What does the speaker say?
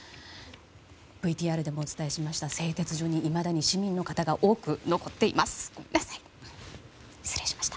ＶＴＲでもお伝えしました製鉄所にいまだに市民の方が多く残っています。